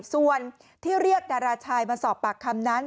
ส่วนที่เรียกดาราชายมาสอบปากคำนั้น